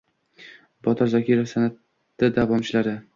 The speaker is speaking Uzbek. Botir Zokirov san’ati davomchilari